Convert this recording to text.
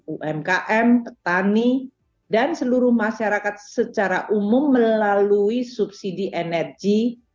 umkm petani dan seluruh masyarakat secara umum melalui subsidi energi